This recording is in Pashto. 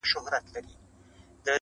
o زنګ وهلی د خوشال د توري شرنګ یم.